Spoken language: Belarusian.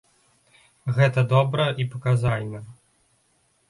Гэта добра і паказальна.